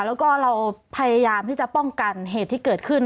แล้วก็เราพยายามที่จะป้องกันเหตุที่เกิดขึ้น